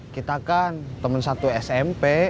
kita kan teman satu smp